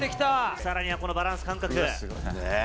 さらにはこのバランス感覚。